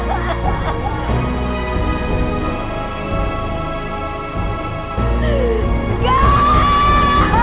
jangan tengok penuh